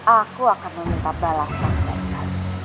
aku akan meminta balasan mereka